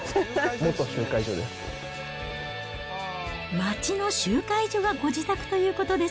元集会所です。